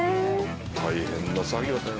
大変な作業だよ。